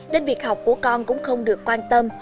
nên việc học của con cũng không được quan tâm